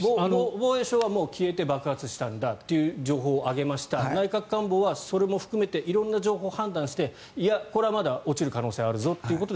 防衛省は消えて爆発したんだという情報を上げました内閣官房はそれも含めて色んな情報を判断していや、これはまだ落ちる可能性があるぞということで。